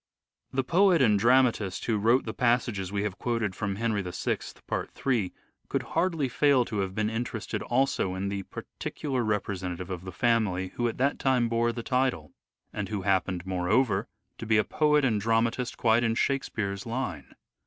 The poet and dramatist who wrote the passages we have quoted from " Henry VI," part 3, could hardly fail to have been interested also in the particular representative of the family who at that time bore the title, and who happened, moreover, to be a poet and dramatist quite in " Shakespeare's " line.